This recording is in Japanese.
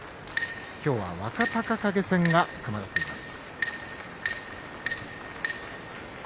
今日は若隆景戦が組まれています。